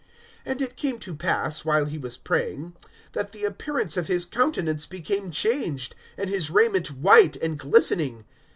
(29)And it came to pass, while he was praying, that the appearance of his countenance became changed, and his raiment white and glistening.